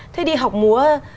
thế đi học múa